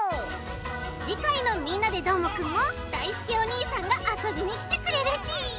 次回の「みんなＤＥどーもくん！」もだいすけおにいさんがあそびにきてくれるち。